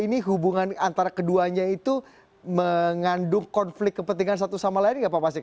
ini hubungan antara keduanya itu mengandung konflik kepentingan satu sama lain nggak pak pasik